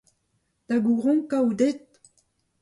Da gouronkañ out aet ?